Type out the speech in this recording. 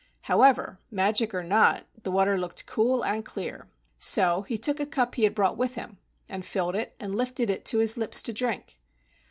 However, magic or not, the water looked cool and clear. So he took a cup he had brought with him and filled it and lifted it to his lips to drink.